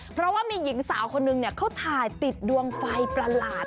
เพราะว่ามีหญิงสาวคนนึงเขาถ่ายติดดวงไฟประหลาด